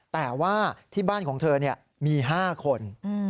แต่ว่าที่บ้านของเธอมี๕คน